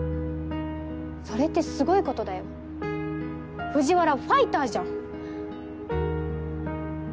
それってすごいことだよ藤原ファイターじゃん！